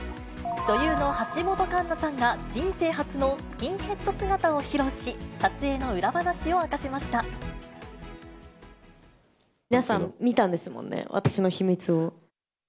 女優の橋本環奈さんが、人生初のスキンヘッド姿を披露し、撮影の皆さん、見たんですもんね、私の秘密を。